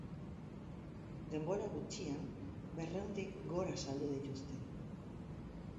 Denbora gutxian, berrehundik gora saldu dituzte.